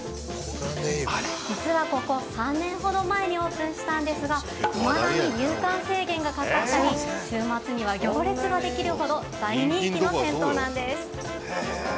◆実は、ここ３年ほど前にオープンしたんですが、いまだに入館制限がかかったり、週末には行列ができるほど大人気の銭湯なんです。